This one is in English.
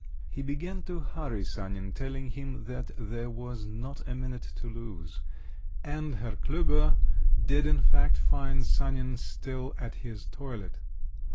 He began to hurry Sanin, telling him that there was not a minute to lose…. And Herr Klüber did, in fact, find Sanin still at his toilet.